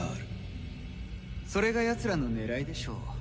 それがやつらの狙いでしょう。